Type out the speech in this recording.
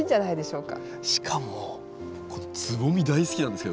しかもこのつぼみ大好きなんですけど。